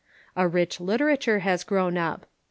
A rich literature has grown up.